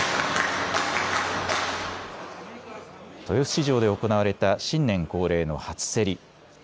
豊洲市場で行われた新年恒例の初競り。